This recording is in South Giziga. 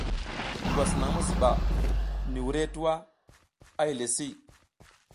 Ngwas naƞ mi zuɓa ni wurehe tuwa a yile si.